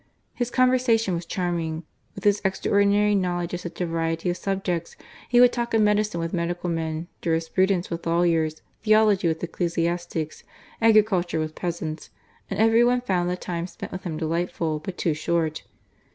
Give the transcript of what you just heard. His conversation was charming. With his extraordinary knowledge of such a variety of subjects, he would talk of medicine with medical men, jurisprudence with lawyers, theology with ecclesiastics, agriculture with peasants, and every one found the time spent with him delightful, but too short.